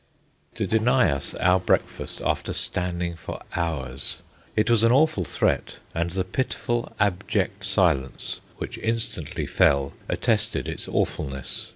To deny us our breakfast after standing for hours! It was an awful threat, and the pitiful, abject silence which instantly fell attested its awfulness.